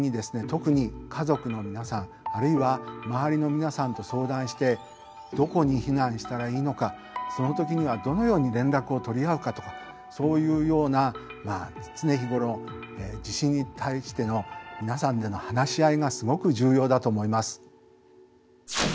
特に家族の皆さんあるいは周りの皆さんと相談してどこに避難したらいいのかその時にはどのように連絡を取り合うかとかそういうような常日頃地震に対しての皆さんでの話し合いがすごく重要だと思います。